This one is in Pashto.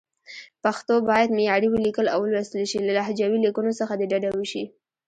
پښتو باید معیاري ولیکل او ولوستل شي، له لهجوي لیکنو څخه دې ډډه وشي.